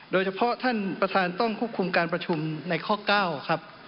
ท่านประธานต้องควบคุมการประชุมในข้อ๙ครับ